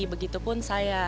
begitu pun saya